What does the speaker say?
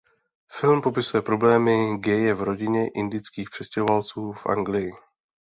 Film popisuje problémy gaye v rodině indických přistěhovalců v Anglii.